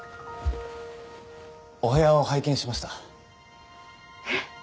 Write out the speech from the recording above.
お部屋を拝見しましたえっ？